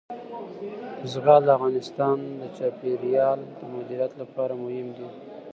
زغال د افغانستان د چاپیریال د مدیریت لپاره مهم دي.